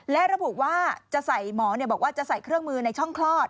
และระบุว่าจะใส่หมอบอกว่าจะใส่เครื่องมือในช่องคลอด